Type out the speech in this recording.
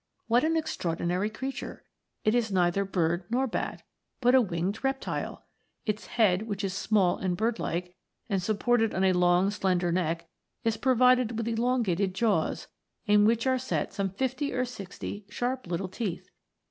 What an extraordinary creature j it is neither bird nor bat, but a winged reptile ! Its head, which is small and bird like and supported on a long slender neck, is provided with elongated jaws, in which are set some fifty or sixty sharp little teeth.